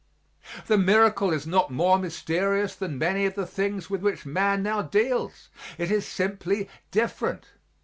The miracle is not more mysterious than many of the things with which man now deals it is simply different.